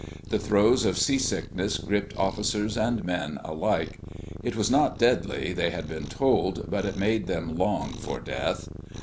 The throes of seasickness gripped officers and men alike. It was not deadly, they had been told, but it made them long for death.